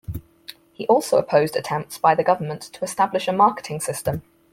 He also opposed attempts by the government to establish a marketing system.